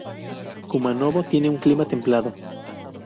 Kumanovo tiene un clima templado.